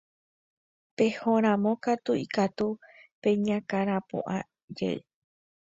Pehóramo katu, ikatu peñakãrapu'ãjey.